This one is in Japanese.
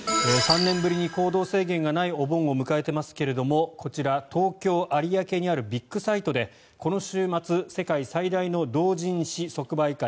３年ぶりに行動制限がないお盆を迎えていますけれどもこちら、東京・有明にあるビッグサイトでこの週末世界最大の同人誌即売会